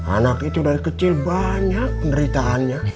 anak itu dari kecil banyak penderitaannya